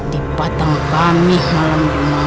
dipatang kami malam